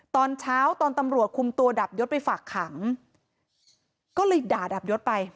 ตอนเช้าตอนตำรวจคุมตัวดับยศไปฝากขังก็เลยด่าดับยศไป